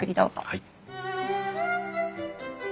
はい。